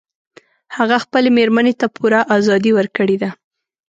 هغه خپلې میرمن ته پوره ازادي ورکړي ده